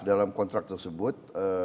dalam kontrak tersebut